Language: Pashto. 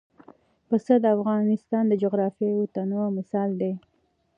پسه د افغانستان د جغرافیوي تنوع مثال دی.